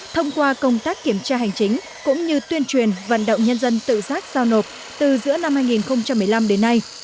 thông qua công tác kiểm tra hành chính cũng như tuyên truyền vận động nhân dân tự giác giao nộp từ giữa năm hai nghìn một mươi năm đến nay